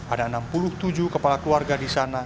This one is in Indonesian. ada enam puluh tujuh kepala keluarga di sana